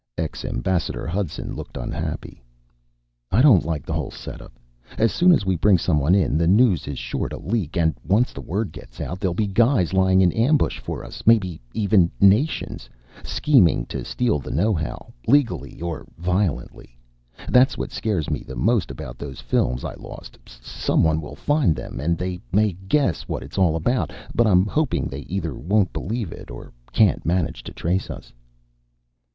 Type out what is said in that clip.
Ex ambassador Hudson looked unhappy. "I don't like the whole setup. As soon as we bring someone in, the news is sure to leak. And once the word gets out, there'll be guys lying in ambush for us maybe even nations scheming to steal the know how, legally or violently. That's what scares me the most about those films I lost. Someone will find them and they may guess what it's all about, but I'm hoping they either won't believe it or can't manage to trace us."